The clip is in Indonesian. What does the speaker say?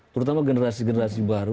terutama generasi generasi baru